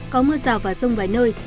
có mưa rào và rông vài nơi